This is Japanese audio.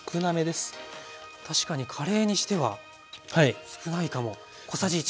確かにカレーにしては少ないかも。